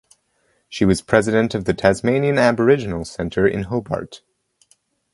She was president of the Tasmanian Aboriginal Centre in Hobart.